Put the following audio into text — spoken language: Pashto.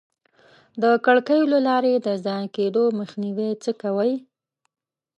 د کړکیو له لارې د ضایع کېدو مخنیوی څه کوئ؟